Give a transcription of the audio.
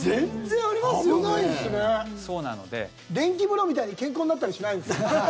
電気風呂みたいに健康になったりしないんですか？